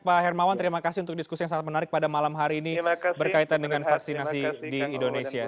pak hermawan terima kasih untuk diskusi yang sangat menarik pada malam hari ini berkaitan dengan vaksinasi di indonesia